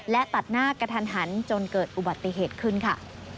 และตัดหน้ากระทันหันจนเกิดอุบัติเหตุขึ้นค่ะ